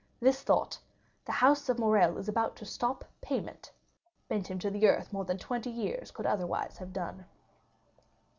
This thought—the house of Morrel is about to stop payment—bent him to the earth more than twenty years would otherwise have done.